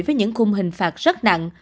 với những khung hình phạt rất nặng